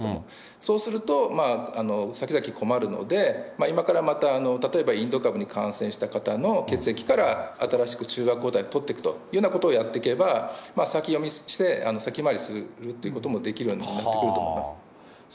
そうすると、先々困るので、今からまた、例えば、インド株に感染した方の血液から新しく中和抗体取っていくというようなことをやっていけば、先読みして、先回りするということもできるようになってくると思います。